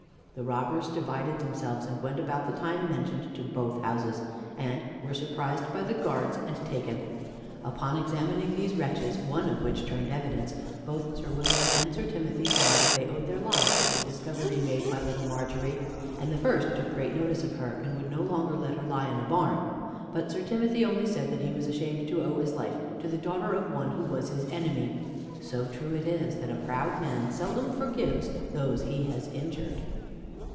The robbers divided themselves, and went about the time mentioned to both houses, and were surprised by the guards and taken. Upon examining these wretches (one of which turned evidence), both Sir William and Sir Timothy found that they owed their lives to the discovery made by Little Margery; and the first took great notice of her and would no longer let her lie in a barn; but Sir Timothy only said that he was ashamed to owe his life to the daughter of one who was his enemy; so true it is, "That a proud man seldom forgives those he has injured."